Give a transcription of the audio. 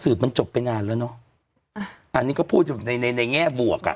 มันจบไปนานแล้วเนอะอันนี้ก็พูดอยู่ในในในแง่บวกอ่ะ